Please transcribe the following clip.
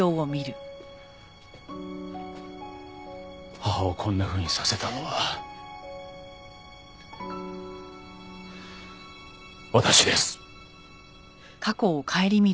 母をこんなふうにさせたのは私です。